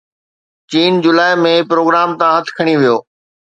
چين جولاءِ ۾ پروگرام تان هٿ کڻي ويو